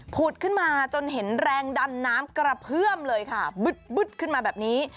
ขึ้นมาจนเห็นแรงดันน้ำกระเพื่อมเลยค่ะบึ๊บขึ้นมาแบบนี้